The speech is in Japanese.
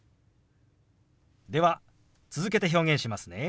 では続けて表現しますね。